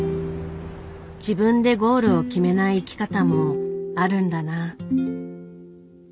自分でゴールを決めない生き方もあるんだな。